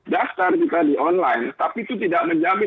daftar kita di online tapi itu tidak menjamin